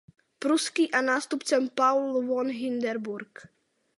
Pruský a nástupcem Paul von Hindenburg.